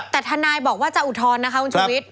แต่ทนายบอกว่าจะอุทธรณ์นะคะคุณชุวิต